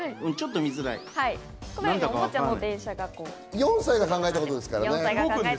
４歳が考えたことですからね。